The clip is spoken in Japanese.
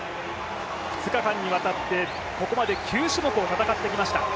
２日間にわたって、ここまで９種目を戦ってきました。